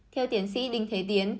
theo tiến sĩ đinh thế tiến